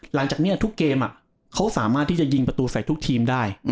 หลังจากนี้ทุกเกมเขาสามารถที่จะยิงประตูใส่ทุกทีมได้